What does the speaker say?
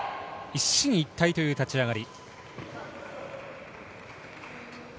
一進一退という立ち上がり。